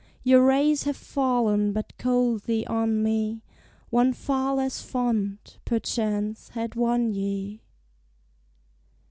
Your rays have fallen but coldly on me: One far less fond, perchance, had won ye!